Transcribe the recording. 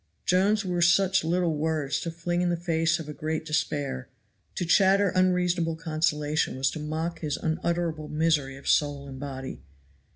Jones's were such little words to fling in the face of a great despair; to chatter unreasonable consolation was to mock his unutterable misery of soul and body.